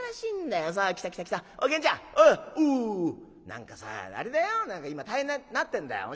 「何かさあれだよ今大変になってんだよ。